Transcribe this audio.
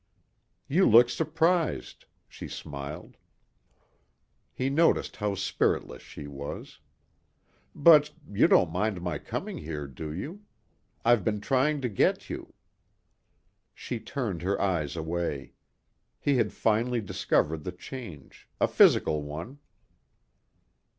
"You look surprised," she smiled. He noticed how spiritless she was. "But ... you don't mind my coming here, do you. I've been trying to get you." She turned her eyes away. He had finally discovered the change, a physical one.